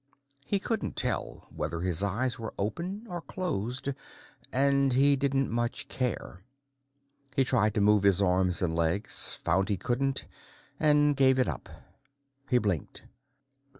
_ He couldn't tell whether his eyes were open or closed and he didn't much care. He tried to move his arms and legs, found he couldn't, and gave it up. He blinked.